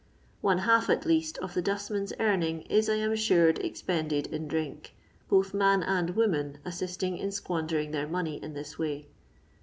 One half, at least, of the dustmen's earnings, is, I am assured, expended in drink, both man and woman assisting in Squandering their money in this way.